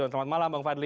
selamat malam bang fadli